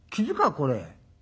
これ」。